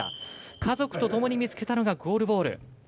家族とともに見つけたのがゴールボール。